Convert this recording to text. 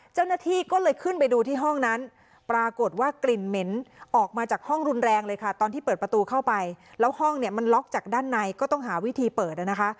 เจ้าหน้าที่ก็เลยขึ้นไปดูที่ห้องนั้นปรากฏว่ากลิ่นเหม็นออกมาจากห้องรุนแรงเลยค่ะตอนที่เปิดประตูเข้าไปแล้วห้องเนี่ยมันล็อกจากด้านในก็ต้องหาวิธีเปิดนะคะ